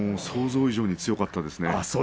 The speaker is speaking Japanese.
予想以上に強かったですね。